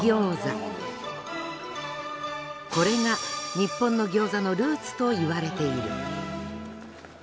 これが日本の餃子のルーツと言われている。